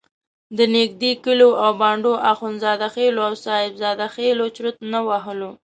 د نږدې کلیو او بانډو اخندزاده خېلو او صاحب زاده خېلو چرت نه وهلو.